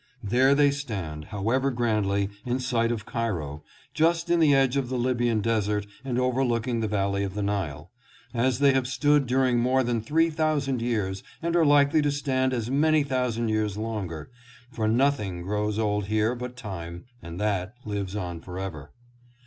There they stand, however, grandly, in sight of Cairo, just in the edge of the Libyan desert and overlooking the valley of the Nile, as they have stood during more than three thou sand years and are likely to stand as many thousand THE TOWERS AND MOSQUES OF CAIEO. 711 years longer, for nothing grows old here but time, and that lives on forever.